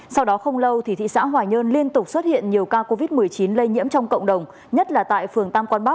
sau đó không lâu thì thị xã hòa nhơn liên tục xuất hiện nhiều ca covid một mươi chín lây nhiễm trong cộng đồng nhất là tại phường tam quang bắc